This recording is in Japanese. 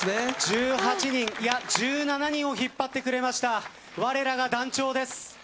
１８人、いや１７人を引っ張ってくれました我らが団長です。